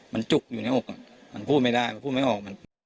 มันจุกอยู่ในอกมันพูดไม่ได้มันพูดไม่ออก